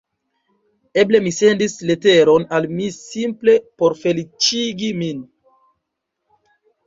Eble mi sendis leteron al mi simple por feliĉigi min.